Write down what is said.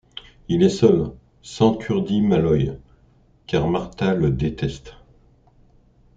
Il est seul, sans Kurdy Malloy, car Martha le déteste.